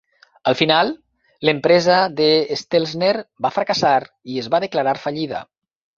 Al final, l'empresa de Stelzner va fracassar i es va declarar fallida.